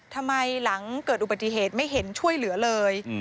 หลังเกิดอุบัติเหตุไม่เห็นช่วยเหลือเลย